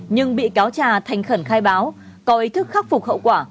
nhưng bị cáo trà thành khẩn khai báo có ý thức khắc phục hậu quả